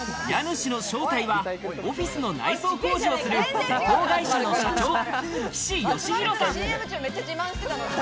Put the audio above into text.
家主の正体はオフィスの内装工事をする施工会社の社長、岸義広さん。